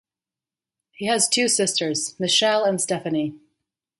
He has two sisters, Michelle and Stephanie.